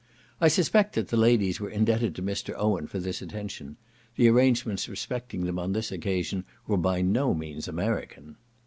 I suspect that the ladies were indebted to Mr. Owen for this attention; the arrangements respecting them on this occasion were by no means American.